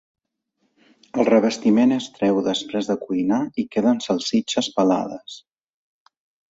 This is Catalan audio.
El revestiment es treu després de cuinar i queden salsitxes pelades.